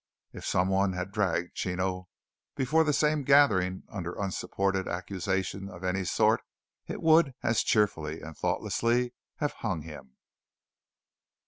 If some one had dragged Chino before that same gathering under unsupported accusation of any sort, it would as cheerfully and thoughtlessly have hung him.